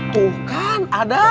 tuh kan ada